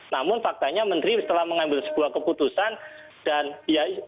namun faktanya menteri setelah mengambil sebuah keputusan dan keputusan itu yang nanti akan menguntungkan